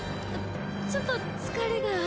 ちょっと疲れが。